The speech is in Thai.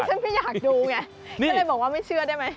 ฉันไม่อยากดูไงก็เลยบอกว่าไม่เชื่อได้ไหม